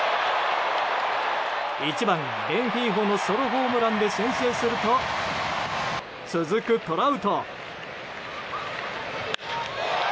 １番、レンヒーフォのソロホームランで先制すると続くトラウト。